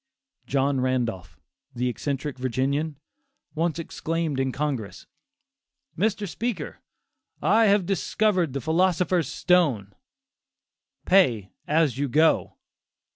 John Randolph, the eccentric Virginian, once exclaimed in Congress, "Mr. Speaker, I have discovered the philosopher's stone: pay as you go."